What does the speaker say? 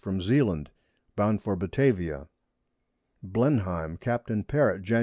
from Zealand, bound for Batavia. Blenheim, Capt. Parrot, _Jan.